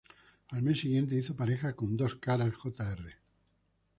Al mes siguiente, hizo pareja con Dos Caras, Jr.